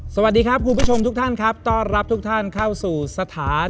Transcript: สวัสดีครับคุณผู้ชมทุกท่านครับต้อนรับทุกท่านเข้าสู่สถาน